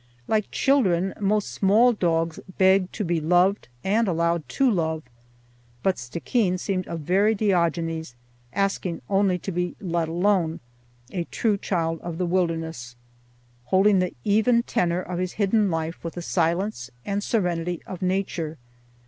Like children, most small dogs beg to be loved and allowed to love; but Stickeen seemed a very Diogenes, asking only to be let alone: a true child of the wilderness, holding the even tenor of his hidden life with the silence and serenity of nature.